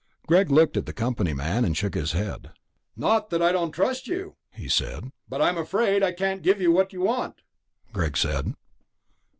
Greg looked at the company man, and shook his head. "Not that I don't trust you," he said, "but I'm afraid I can't give you what you want," Greg said.